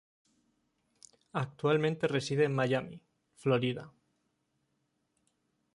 Actualmente reside en Miami, Florida.